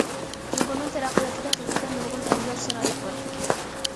جۇڭگونىڭ تەرەققىياتىدا ھەقىقەتەن نۇرغۇن ئەۋزەل شارائىت بار.